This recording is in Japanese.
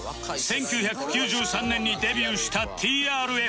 １９９３年にデビューした ＴＲＦ